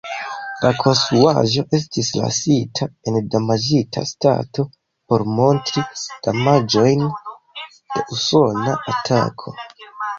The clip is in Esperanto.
La konstruaĵo estis lasita en damaĝita stato, por montri damaĝojn de usona atako.